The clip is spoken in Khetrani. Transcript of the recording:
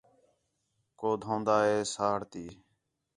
کُو دھون٘دا ہے سہاڑ تی